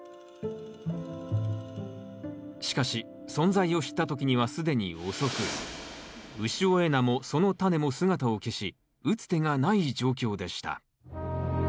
しかし存在を知った時には既に遅く潮江菜もそのタネも姿を消し打つ手がない状況でした。